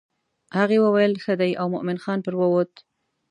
هغې وویل ښه دی او مومن خان پر ووت.